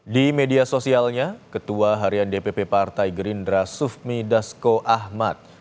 di media sosialnya ketua harian dpp partai gerindra sufmi dasko ahmad